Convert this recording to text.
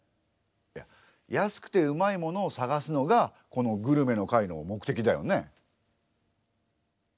いや安くてうまいものを探すのがこのグルメの会の目的だよね？